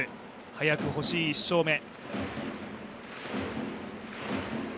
早く欲しい１勝目。